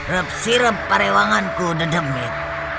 rep sirup parewanganku dedemit